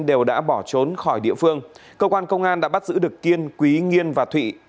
đều đã bỏ trốn khỏi địa phương cơ quan công an đã bắt giữ được kiên quý nghiên và thụy